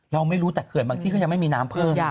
เราไม่รู้แต่เขื่อนบางที่ก็ยังไม่มีน้ำเพิ่ม